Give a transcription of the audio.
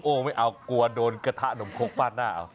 ไม่เอากลัวโดนกระทะหนมคกฟาดหน้าเอา